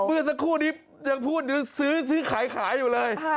เมื่อสักครู่นี้ยังพูดซื้อขายขายอยู่เลย